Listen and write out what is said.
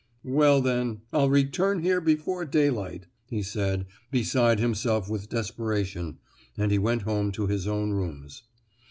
"Well, then, I'll return here before daylight," he said, beside himself with desperation, and he went home to his own rooms.